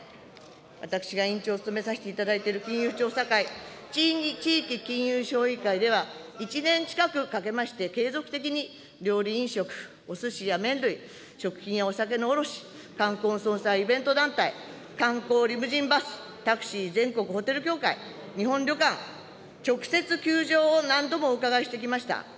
私が委員長を務めさせていただいている金融調査会・地域金融小委員会では、１年近くかけまして、継続的に料理飲食、おすしや麺類、食品やお酒の卸、冠婚葬祭イベント団体、観光・リムジンバス、タクシー、全国ホテル協会、日本旅館、直接、窮状を何度もお伺いしてきました。